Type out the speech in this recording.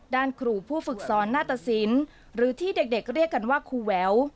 ด้านครูผู้ฝึกซ้อนหน้าตะศิลป์หรือที่เด็กเรียกกันว่าครูแวว